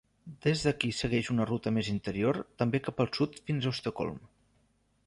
Des d'aquí segueix una ruta més interior també cap al sud fins a Estocolm.